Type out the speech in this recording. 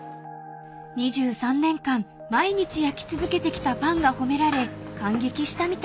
［２３年間毎日焼き続けてきたパンが褒められ感激したみたいです］